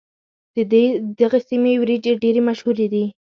د دغې سيمې وريجې ډېرې مشهورې دي.